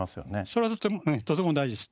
それはとても大事です。